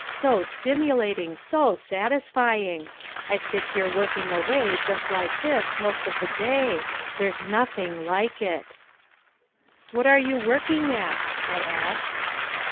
So stimulating, so satisfying. I sit here working away, just like this, most of the day. There's nothing like it." "What are you working at?" I asked.